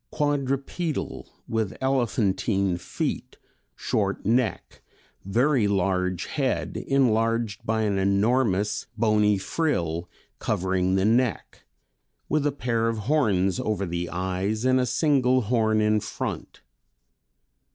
Quadrupedal with elephantine feet, short neck, very large head enlarged by an enormous bony frill covering the neck, with a pair of horns over the eyes and a single horn in front.